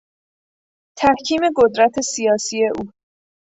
تحکیم قدرت سیاسی او